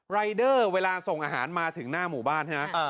รายเดอร์เวลาส่งอาหารมาถึงหน้าหมู่บ้านใช่ไหม